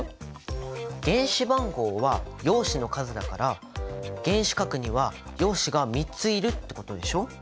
原子番号は陽子の数だから原子核には陽子が３ついるってことでしょ？